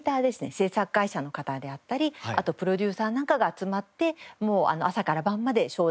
制作会社の方であったりあとプロデューサーなんかが集まって朝から晩まで商談を続ける。